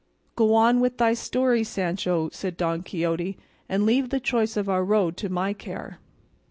"Go on with thy story, Sancho," said Don Quixote, "and leave the choice of our road to my care."